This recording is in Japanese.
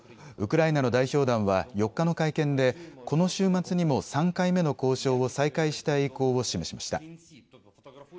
ウクライナの代表団は４日の会見でこの週末にも３回目の交渉を再開したい意向を示しました。